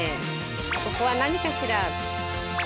ここは何かしら。